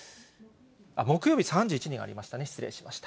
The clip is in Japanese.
木曜日３１人ありましたね、失礼しました。